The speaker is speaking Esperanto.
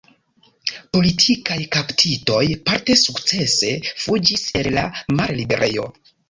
Politikaj kaptitoj parte sukcese fuĝis el la malliberejo.